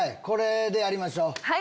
これでやりましょう。